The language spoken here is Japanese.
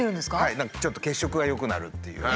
何かちょっと血色が良くなるっていう。